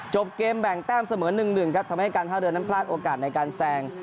เกมแบ่งแต้มเสมอ๑๑ครับทำให้การท่าเรือนั้นพลาดโอกาสในการแซง